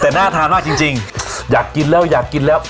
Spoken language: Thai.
แต่น่าทานมากจริงอยากกินแล้วอยากกินแล้ว